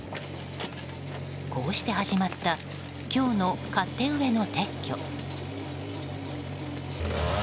こうして始まった今日の勝手植えの撤去。